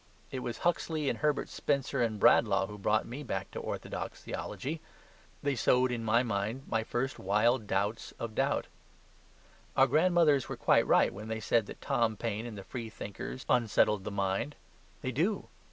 It was Huxley and Herbert Spencer and Bradlaugh who brought me back to orthodox theology. They sowed in my mind my first wild doubts of doubt. Our grandmothers were quite right when they said that Tom Paine and the free thinkers unsettled the mind. They do.